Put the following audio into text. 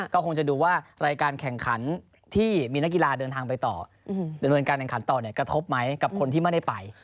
ก็คงจะดูว่ารายการแข่งขันที่มีนักกีฬาเดินทางไปต่อดำเนินการแข่งขันต่อเนี่ยกระทบไหมกับคนที่ไม่ได้ไป